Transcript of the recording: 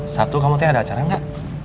sabtu kamu teh ada acara enggak